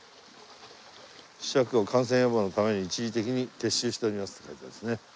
「ひしゃくは感染予防のために一時的に撤収してあります」って書いてますね。